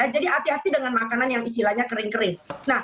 jadi hati hati dengan makanan yang istilahnya kering kering